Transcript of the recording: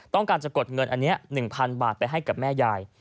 ต้องการจะกดเงินอันนี้๑๐๐๐บาทไปให้กับแม่ยาย